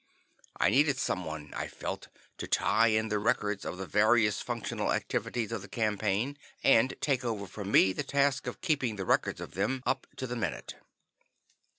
I needed someone, I felt, to tie in the records of the various functional activities of the campaign, and take over from me the task of keeping the records of them up to the minute.